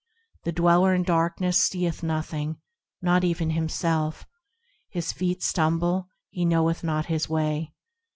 The dweller in darkness seeth nothing, Not even himself, His feet stumble, he knoweth not his way.